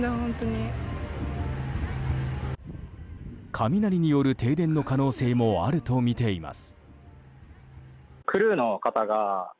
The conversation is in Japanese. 雷による停電の可能性もあるとみています。